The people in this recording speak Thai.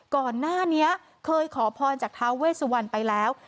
ก่อนหน้านี้เคยขอพรจากท้าเวสวันไปแล้ว